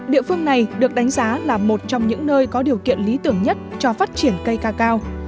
địa phương này được đánh giá là một trong những nơi có điều kiện lý tưởng nhất cho phát triển cây cacao